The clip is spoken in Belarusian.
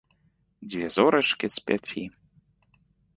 Дзве зорачкі з пяці.